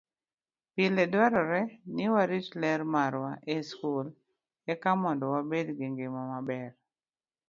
Pile dwarore ni warit ler marwa e skul eka mondo wabed gi ngima maber.